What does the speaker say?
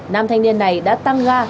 nam thanh niên này đã tăng ga